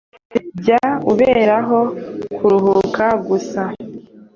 Jya uberaho kuruhuka gusa